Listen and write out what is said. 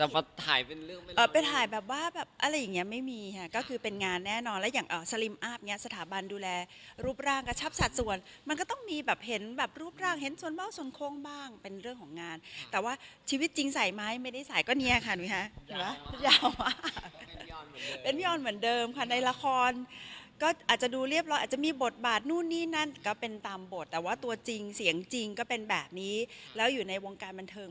มา๒๗ปีก็บอกได้ว่าเราเป็นคนแบบไหนมากกว่าค่ะ